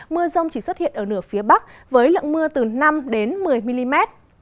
mưa rông chỉ xuất hiện ở nửa phía bắc với lượng mưa từ năm một mươi mm